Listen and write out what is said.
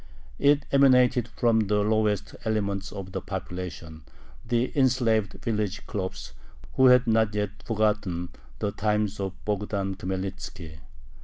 It emanated from the lowest elements of the population, the enslaved village khlops, who had not yet forgotten the times of Bogdan Khmelnitzki.